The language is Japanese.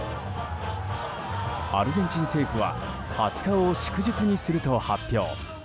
アルゼンチン政府は２０日を祝日にすると発表。